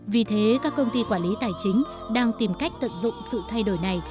vì thế các công ty quản lý tài chính đang tìm cách tận dụng sự thay đổi này